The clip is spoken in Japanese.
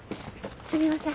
すみません。